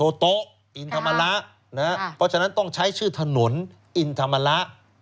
โต๊ะอินธรรมระนะฮะเพราะฉะนั้นต้องใช้ชื่อถนนอินธรรมระ